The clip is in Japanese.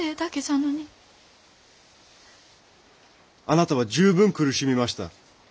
あなたは十分苦しみました。